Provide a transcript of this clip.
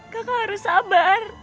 kakak harus sabar